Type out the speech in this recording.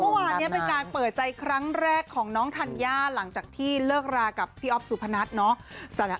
เมื่อวานนี้เป็นการเปิดใจครั้งแรกของน้องธัญญาหลังจากที่เลิกรากับพี่อ๊อฟสุพนัทเนาะ